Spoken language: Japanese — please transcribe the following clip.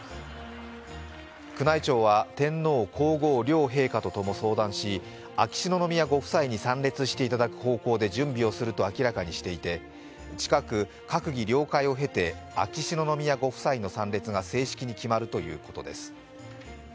宮内庁は天皇皇后両陛下とも相談し、秋篠宮ご夫妻に参列していただく方向で準備をすると明らかにしていて、近く閣議了解を経て、秋篠宮ご夫妻の参列が正式に決まるということですす。